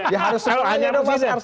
ya harusnya mereka